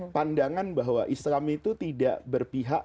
pandangan bahwa islam itu tidak berpihak